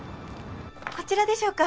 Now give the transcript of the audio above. こちらでしょうか？